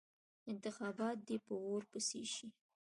انتخابات دې په اور پسې شي.